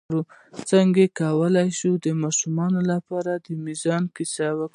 څنګه کولی شم د ماشومانو لپاره د میزان کیسه وکړم